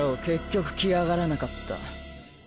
結局来やがらなかった。